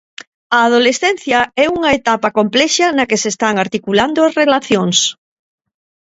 A adolescencia é unha etapa complexa na que se están articulando as relacións.